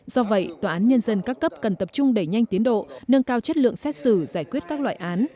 do vậy tòa án nhân dân các cấp cần tập trung đẩy nhanh tiến độ nâng cao chất lượng xét xử giải quyết các loại án